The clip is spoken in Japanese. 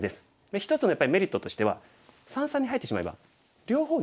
一つのやっぱりメリットとしては三々に入ってしまえば両方逃げ道があるんですよ。